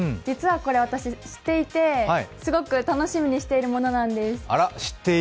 実はこれ、私、知っていてすごく楽しみにしているものなんです。